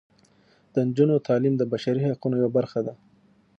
د نجونو تعلیم د بشري حقونو یوه برخه ده.